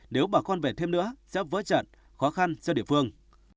nếu bà con về thêm nữa sẽ vỡ trận khó khăn cho địa phương